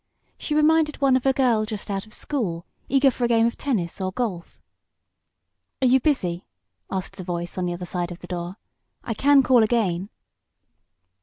She reminded one of a girl just out of school, eager for a game of tennis or golf. "Are you busy?" asked the voice on the other side of the door. "I can call again!"